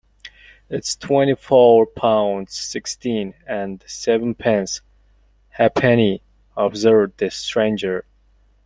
"It's twenty-four pounds, sixteen, and sevenpence ha'penny," observed the stranger.